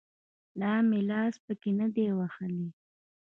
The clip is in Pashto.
لا مې لاس پکښې نه دى وهلى.